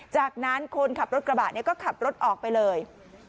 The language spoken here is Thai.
จากนั้นคนขับรถกระบะก็ขับรถออกไปเลย